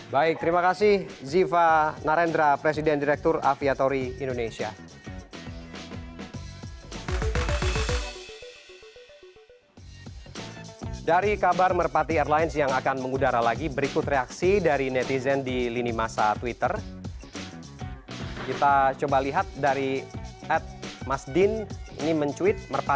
baik terima kasih ziva narendra presiden direktur aviatori indonesia